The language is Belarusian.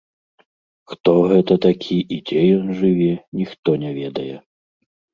Хто гэта такі і дзе ён жыве, ніхто не ведае.